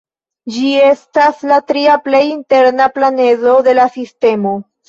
Ĝi estas la tria plej interna planedo de la sistemo.